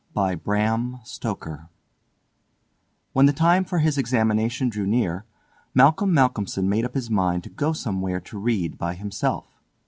The Judge's House When the time for his examination drew near Malcolm Malcolmson made up his mind to go somewhere to read by himself.